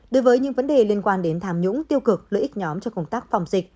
đối với những vấn đề liên quan đến tham nhũng tiêu cực lợi ích nhóm cho công tác phòng dịch